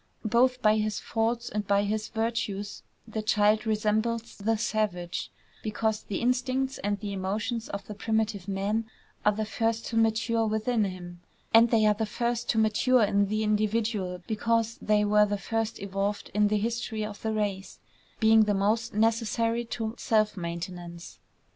Both by his faults and by his virtues the child resembles the savage, because the instincts and the emotions of the primitive man are the first to mature within him; and they are the first to mature in the individual because they were the first evolved in the history of the race, being the most necessary to self maintenance.